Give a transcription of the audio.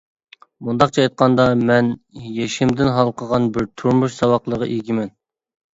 مۇنداقچە ئېيتقاندا مەن يېشىمدىن ھالقىغان بىر تۇرمۇش ساۋاقلىرىغا ئىگىمەن.